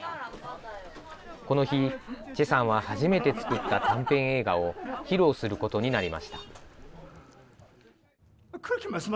この日、チェさんは初めて作った短編映画を披露することになりました。